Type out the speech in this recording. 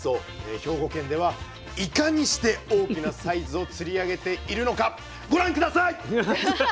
兵庫県では「イカ」にして大きなサイズを釣り上げているのかご覧下さい！